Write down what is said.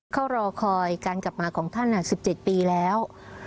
เขารอคอยการกลับมาของท่าน๑๗ปีแล้ว